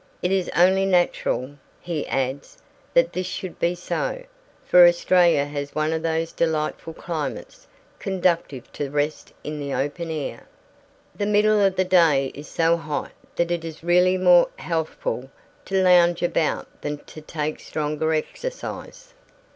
It is only natural, he adds, that this should be so, 'for Australia has one of those delightful climates conducive to rest in the open air. The middle of the day is so hot that it is really more healthful to lounge about than to take stronger exercise.'